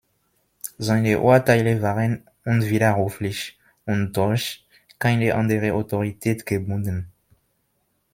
Seine Urteile waren unwiderruflich und durch keine andere Autorität gebunden.